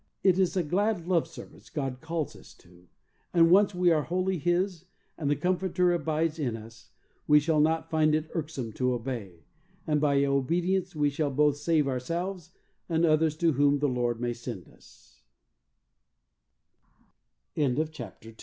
It is a glad love service God calls us to, and once we are wholly His and the Comforter abides in us, we shall not find it irksome to obey, and by obedience we shall both save ourselves and others